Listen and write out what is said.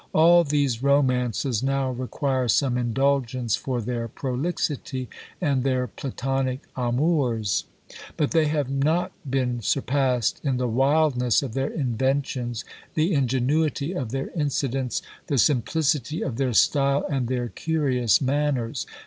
All these romances now require some indulgence for their prolixity, and their Platonic amours; but they have not been surpassed in the wildness of their inventions, the ingenuity of their incidents, the simplicity of their style, and their curious manners.